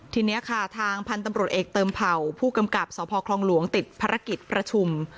ที่เนี้ยค่ะทางพันตำรวจเอกเติมเผ่าผู้กำกลับสวพทประชุม